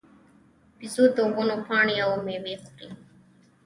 بیزو د ونو پاڼې او مېوې خوري.